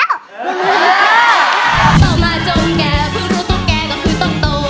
ต่อมาจนแกเพิ่งรู้ตุ๊กแกก็คือต้องโต